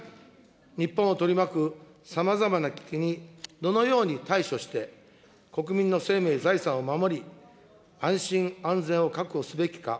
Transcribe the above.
日本を取り巻くさまざまな危機にどのように対処して、国民の生命、財産を守り、安心安全を確保すべきか。